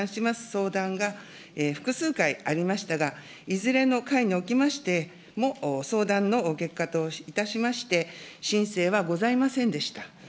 相談が複数回ありましたが、いずれの回におきましても、相談の結果といたしまして、申請はございませんでした。